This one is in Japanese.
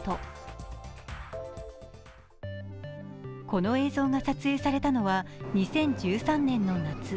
この映像が撮影されたのは２０１３年の夏。